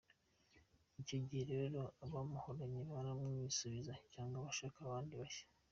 Icyo gihe rero abamuhoranye baramwisubiza cyangwa agashaka abandi bashya.